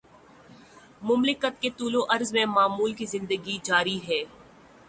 مملکت کے طول وعرض میں معمول کی زندگی جاری ہے۔